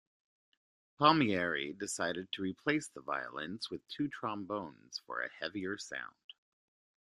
Palmieri decided to replace the violins with two trombones for a heavier sound.